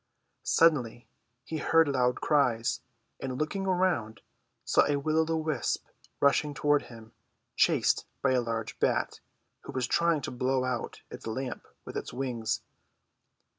Suddenly he heard loud cries, and looking around saw a will o' the wisp rushing toward him, chased by a large bat, who Avas trying to blow out its lamp Avith its Avings.